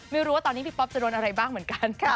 ไม่รู้ว่าตอนนี้พี่ป๊อปจะโดนอะไรบ้างเหมือนกันค่ะ